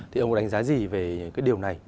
thì ông có đánh giá gì về cái điều này